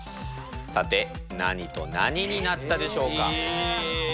さて何と何になったでしょうか？